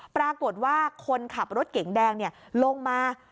ปรากฏว่าคนขับรถเก๋งแดงลงมา